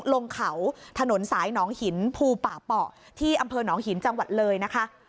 ลงเขาถนนสายหนองหินภูป่าเปาะที่อำเภอหนองหินจังหวัดเลยนะคะ